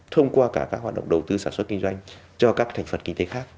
thông qua cả các hoạt động đầu tư sản xuất kinh doanh cho các thành phần kinh tế khác